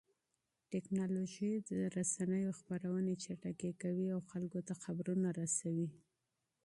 ټکنالوژي د رسنيو خپرونې چټکې کوي او خبرونه رسوي خلکو ته.